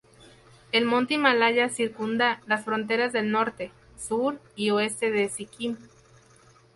El monte Himalaya circunda las fronteras del norte, sur y oeste de sikkim.